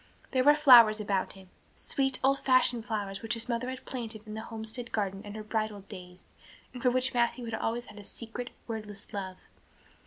There were flowers about him sweet old fashioned flowers which his mother had planted in the homestead garden in her bridal days and for which Matthew had always had a secret, wordless love.